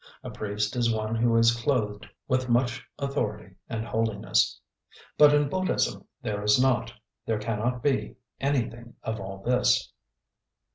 A priest is one who is clothed with much authority and holiness. But in Buddhism there is not, there cannot be, anything of all this.